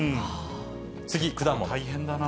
次、果物。